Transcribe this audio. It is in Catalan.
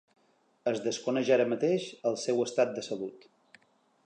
Es desconeix ara mateix el seu estat de salut.